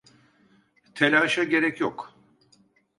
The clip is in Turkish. Telaşa gerek yok.